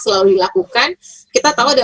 selalu dilakukan kita tahu ada